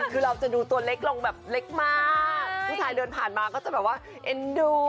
คือเราจะดูตัวเล็กลงแบบเล็กมากผู้ชายเดินผ่านมาก็จะแบบว่าเอ็นดู